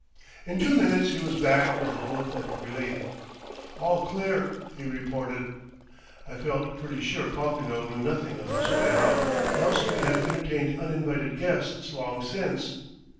In two minutes he was back, with a look of relief. "All clear," he reported; "I felt pretty sure Popinot knew nothing of this way out else we'd have entertained uninvited guests long since.